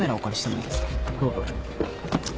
どうぞ。